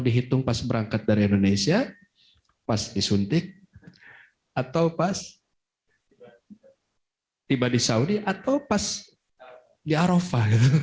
dihitung pas berangkat dari indonesia pas disuntik atau pas tiba di saudi atau pas di arafah